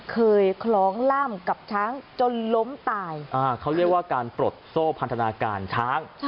คล้องล่ำกับช้างจนล้มตายเขาเรียกว่าการปลดโซ่พันธนาการช้าง